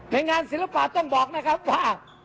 ในงานศิลปะต้องบอกนะครับว่า